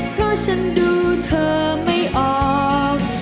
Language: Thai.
เพราะฉันดูเธอไม่ออก